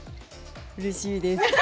うれしいです。